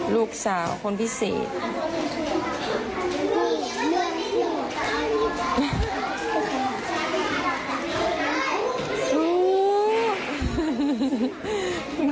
ลูกสาวคนพี่สี